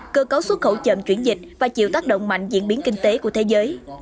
cơ cấu xuất khẩu chậm chuyển dịch và chịu tác động mạnh diễn biến kinh tế của thế giới